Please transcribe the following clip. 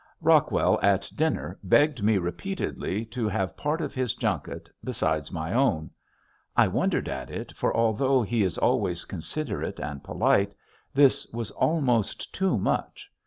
Rockwell at dinner begged me repeatedly to have part of his junket besides my own. I wondered at it for although he is always considerate and polite this was almost too much.